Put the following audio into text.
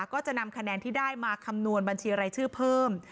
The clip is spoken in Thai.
ก็จะนำคะแนนที่ได้มาคำนวณบัญชีรายชื่อเพิ่ม